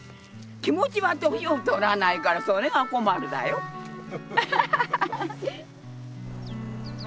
気持ちは年を取らないからそれが困るだよアハハハ！